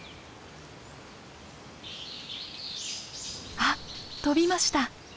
あっ飛びました。